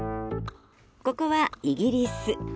ここはイギリス。